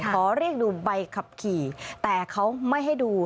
ขอเรียกดูใบขับขี่แต่เขาไม่ให้ดู